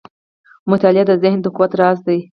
• مطالعه د ذهن د قوت راز دی.